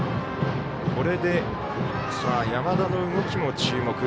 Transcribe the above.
これで山田の動きも注目。